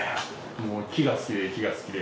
もう木が好きで木が好きで。